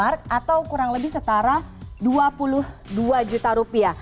atau kurang lebih setara rp dua puluh dua